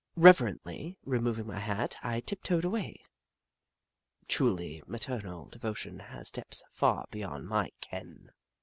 Reverently removing my hat, I tiptoed away. Truly, maternal devbtion has depths far beyond my ken.